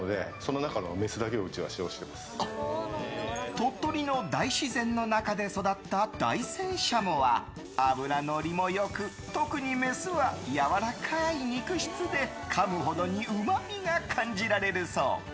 鳥取の大自然の中で育った大山軍鶏は脂のりもよく特にメスはやわらかい肉質でかむほどにうまみが感じられるそう。